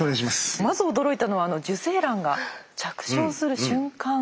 まず驚いたのはあの受精卵が着床する瞬間。